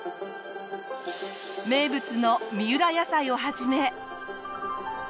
名物の三浦野菜を始め。